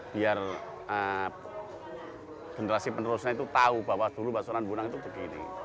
biar generasi penerusnya itu tahu bahwa dulu baksonan bunang itu berdiri